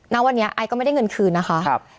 ณวันนี้ไอซ์ก็ไม่ได้เงินคืนนะคะ